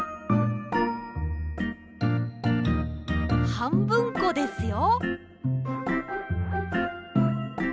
はんぶんこですよ。